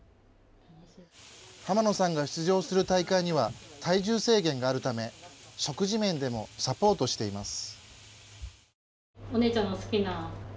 濱野さんが出場する大会には体重制限があるため食事面でもサポートしています。